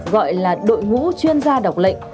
gọi là đội ngũ chuyên gia đọc lệnh